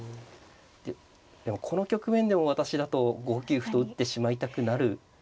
でもこの局面でも私だと５九歩と打ってしまいたくなるぐらい。